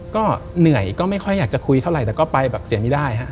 ก็เหนื่อยก็ไม่ค่อยอยากจะคุยเท่าไหร่แต่ก็ไปแบบเสียไม่ได้ฮะ